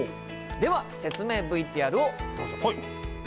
では説明ＶＴＲをどうぞ。